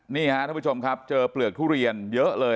นี่ฮะท่านผู้ชมครับเจอเปลือกทุเรียนเยอะเลย